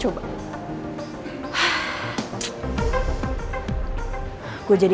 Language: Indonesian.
tapi aku sqc